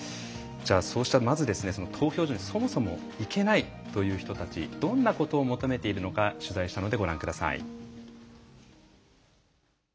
そうした、まず投票所にそもそも行けないという人たちどんなことを求めているのか取材したのでご覧ください。